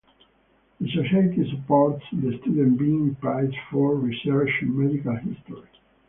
The society supports the student "Bean" prize for research in medical history.